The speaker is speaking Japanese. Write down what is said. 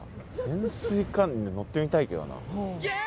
潜水艦に乗ってみたいけどな。